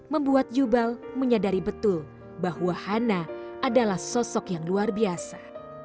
membuat jubal menyadari betul bahwa hana adalah sosok yang luar biasa